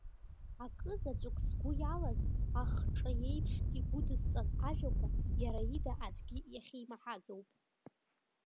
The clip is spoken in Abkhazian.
Акы заҵәык сгәы иалаз, ахҿа еиԥш игәыдысҵаз ажәақәа, иара ида аӡәгьы иахьимаҳазоуп.